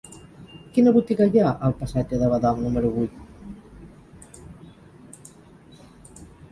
Quina botiga hi ha al passatge de Badal número vuit?